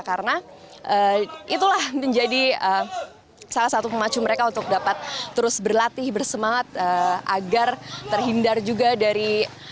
karena itulah menjadi salah satu pemacu mereka untuk dapat terus berlatih bersemangat agar terhindar juga dari